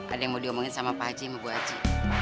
ada yang mau diomongin sama pak haji sama bu haji